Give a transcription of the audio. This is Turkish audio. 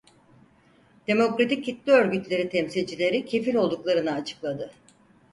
Demokratik kitle örgütleri temsilcileri kefil olduklarını açıkladı.